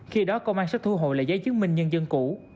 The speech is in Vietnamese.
khi đó công an sẽ thu hồi lại giấy chứng minh nhân dân cũ